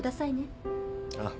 ああ。